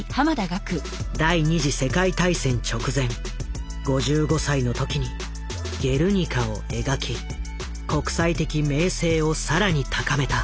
第２次世界大戦直前５５歳の時に「ゲルニカ」を描き国際的名声を更に高めた。